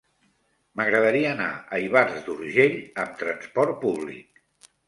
M'agradaria anar a Ivars d'Urgell amb trasport públic.